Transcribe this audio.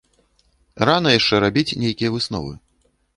Рана яшчэ рабіць нейкія высновы.